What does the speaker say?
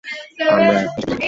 আমরা এখন যেতে পারি?